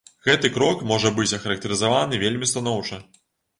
Гэты крок можа быць ахарактарызаваны вельмі станоўча.